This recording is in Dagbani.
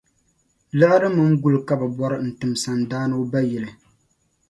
Liɣiri mini guli ka bɛ bɔra n-tim sandaani o ba yili.